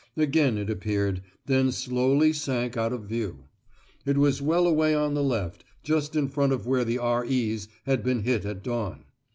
Again it appeared, then slowly sank out of view. It was well away on the left, just in front of where the "R.E.'s" had been hit at dawn.